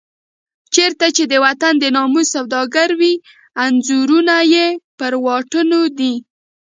چېرته چې د وطن د ناموس سوداګر وي انځورونه یې پر واټونو دي.